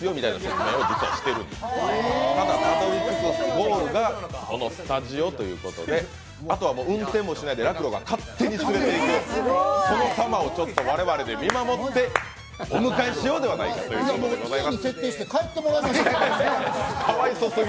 ゴールがこのスタジオということであとは運転もしないで、ＲａｋｕＲｏが勝手に動いていく、そのさまを我々で見守ってお迎えしようではないかということでございます。